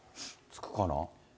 つくかな？